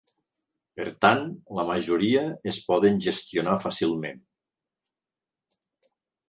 Per tant, la majoria es poden gestionar fàcilment.